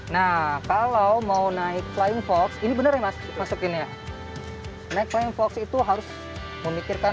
nah kalau mau naik flying fox ini benar ya mas masukin ya naik flying fox itu harus memikirkan